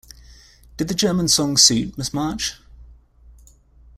Did the German song suit, Miss March?